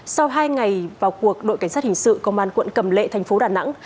sau hai ngày vào cuộc đội cảnh sát hình sự công an quận cầm lệ thành phố đà nẵng